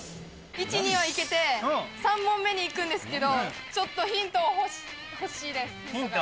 １、２はいけて、３問目にいくんですけど、ちょっとヒントが欲しいでヒント？